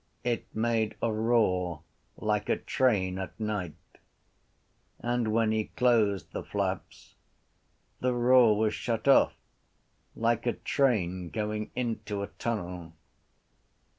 It made a roar like a train at night. And when he closed the flaps the roar was shut off like a train going into a tunnel.